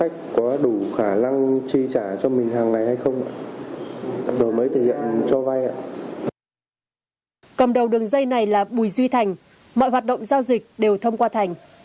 cầm đầu đường dây này là bùi duy thành mọi hoạt động giao dịch đều thông qua thành